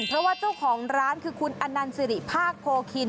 เพราะว่าเจ้าของร้านคือคุณอนันสิริภาคโพคิน